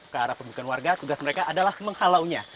ke arah pembukaan warga tugas mereka adalah menghalaunya